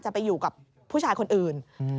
จะไปอยู่กับผู้ชายคนอื่น